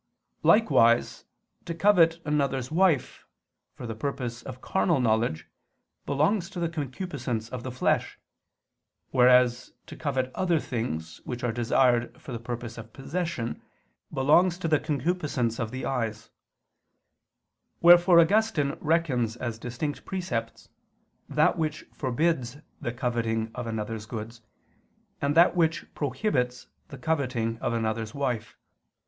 Likewise to covet another's wife, for the purpose of carnal knowledge, belongs to the concupiscence of the flesh; whereas, to covet other things, which are desired for the purpose of possession, belongs to the concupiscence of the eyes; wherefore Augustine reckons as distinct precepts, that which forbids the coveting of another's goods, and that which prohibits the coveting of another's wife.